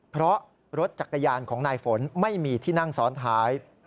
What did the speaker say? เพราะรถจักรยานของนายฝนไม่มีที่นั่งซ้อนท้าย